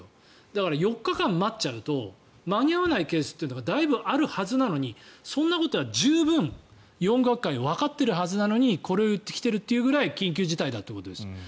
だから４日間待っちゃうと間に合わないケースというのがだいぶあるはずなのにそんなことは十分４学会はわかっているはずなのにこれを言ってきているというぐらい緊急事態ということです。